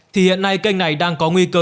thì hiện nay kênh này đang có nguy cơ